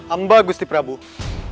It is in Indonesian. amba gusti pramoda